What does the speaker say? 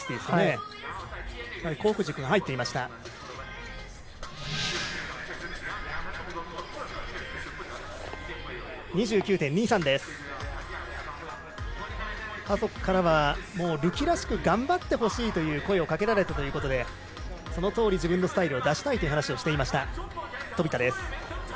家族からは流輝らしく頑張ってほしいという声をかけられたということでそのとおり自分のスタイルを出したいという話をしていた飛田。